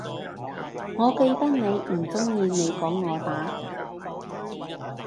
我記得你唔鍾意你講我打